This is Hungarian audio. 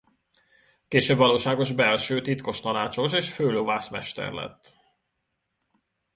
Később valóságos belső titkos tanácsos és főlovászmester lett.